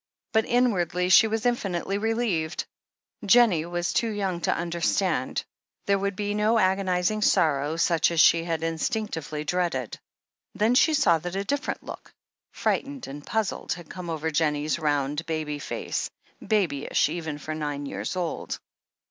But inwardly she was infinitely relieved. Jennie was too young to understand. There would THE HEEL OF ACHILLES 339 be no agonized sorrowing, such as she had instinctively dreaded. Then she saw that a different look, frightened and puzzled, had come over Jennie's roiuid, baby face — babyish, even for nine years old.